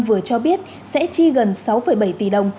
vừa cho biết sẽ chi gần sáu bảy tỷ đồng